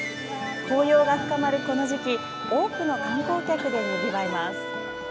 紅葉が深まる、この時期多くの観光客でにぎわいます。